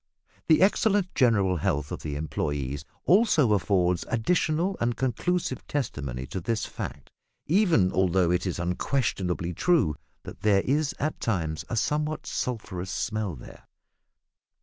The excellent general health of the employes also affords additional and conclusive testimony to this fact even although it is unquestionably true that there is at times a somewhat sulphurous smell there.